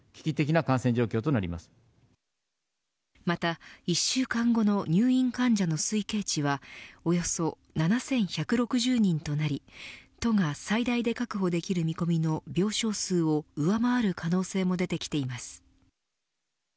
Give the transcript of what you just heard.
また１週間後の入院患者の推計値はおよそ７１６０人となり都が最大で確保できる見込みの病床数を上回る可能性も出てきています。